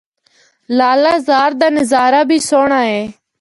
لالہ زار دا نظارہ بھی سہنڑا اے۔